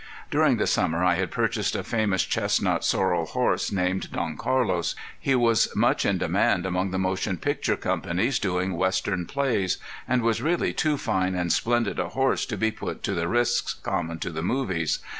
During the summer I had purchased a famous chestnut sorrel horse named Don Carlos. He was much in demand among the motion picture companies doing western plays; and was really too fine and splendid a horse to be put to the risks common to the movies.